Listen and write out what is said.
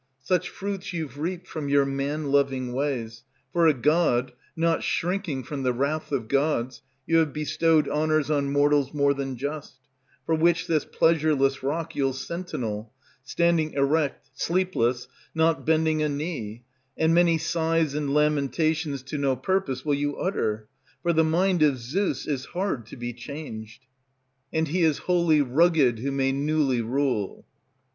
Such fruits you've reaped from your man loving ways, For a god, not shrinking from the wrath of gods, You have bestowed honors on mortals more than just, For which this pleasureless rock you'll sentinel, Standing erect, sleepless, not bending a knee; And many sighs and lamentations to no purpose Will you utter; for the mind of Zeus is hard to be changed; And he is wholly rugged who may newly rule.